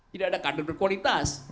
tidak ada kader berkualitas